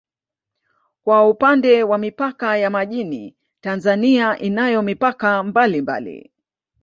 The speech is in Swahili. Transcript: Kwa upande wa mipaka ya majini Tanzania inayo mipaka mbalimbali